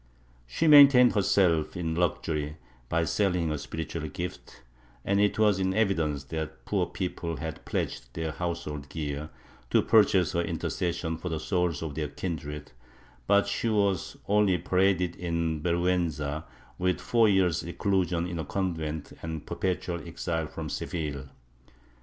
She maintained herself in luxury by selling her spiritual gifts, and it was in evidence that poor people had pledged their household gear to purchase her intercession for the souls of their kindred, but she was only paraded in vergiienza with four year's reclusion in a convent and perpetual exile from Seville.